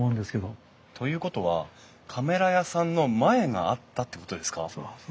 ということはカメラ屋さんの前があったってことですか？